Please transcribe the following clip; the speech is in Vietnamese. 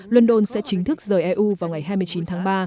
london sẽ chính thức rời eu vào ngày hai mươi chín tháng ba